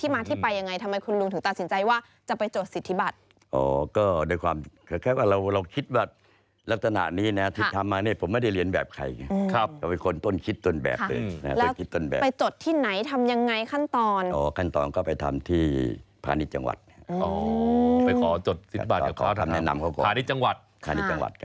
มควีโดยความแค่ว่าเราเราคิดบัตรลักษณะนี้เนี้ยที่ทำมานี้ผมไม่ได้เรียนแบบใครครับก็เป็นคนต้นคิดต้นแบบเลยนะฮะก็คิดต้นแบบไปจดที่ไหนทำยังไงขั้นตอนอ๋อขั้นตอนก็ไปทำที่พระณิจังหวัดอ๋อไปขอจดศิษย์บาทแล้วเขา